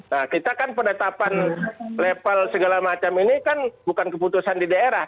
nah kita kan penetapan level segala macam ini kan bukan keputusan di daerah